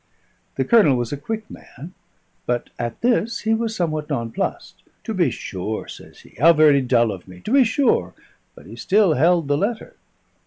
The Colonel was a quick man, but at this he was somewhat nonplussed. "To be sure!" says he; "how very dull of me! To be sure!" But he still held the letter.